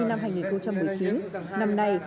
năm hai nghìn một mươi chín năm nay